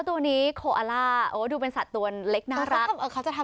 แต่โคอลาดูเป็นสัตว์ตัวเล็กน่ารัก